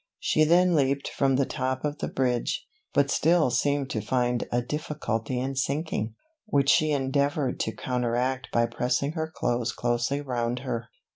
She then leaped from the top of the bridge, but still seemed to find a difficulty in sinking, which she endeavoured to counteract by pressing her clothes closely round her.